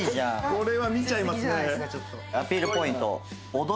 これは見ちゃいますね。